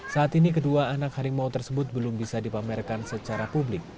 saat ini kedua anak harimau tersebut belum bisa dipamerkan secara publik